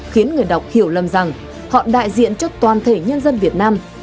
khiến người đọc hiểu lầm rằng họ đại diện cho toàn thể nhân dân việt nam